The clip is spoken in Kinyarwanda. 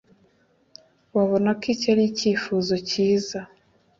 Wabona ko iki ari icyifuzo cyiza?